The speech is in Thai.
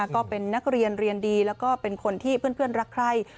ก็เป็นนักเรียนเรียนดีแล้วก็เป็นคนที่เพื่อนรักใคร